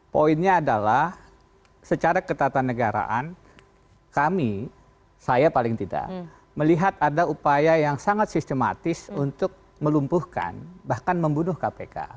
poinnya adalah secara ketatanegaraan kami saya paling tidak melihat ada upaya yang sangat sistematis untuk melumpuhkan bahkan membunuh kpk